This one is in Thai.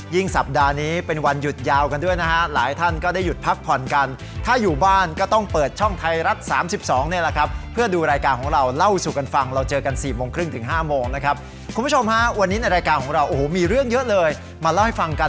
อย่าลืมเล่าสู่กันฟัง